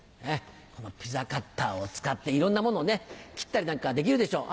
このピザカッターを使っていろんなものをね切ったりなんかできるでしょう。